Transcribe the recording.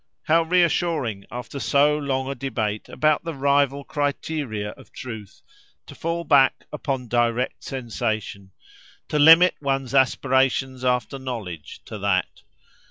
—How reassuring, after so long a debate about the rival criteria of truth, to fall back upon direct sensation, to limit one's aspirations after knowledge to that!